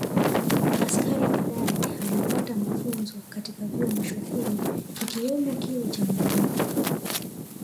Askari hodari aliyepata mafunzo katika vyuo mashuhuri kikiwamo kile cha Monduli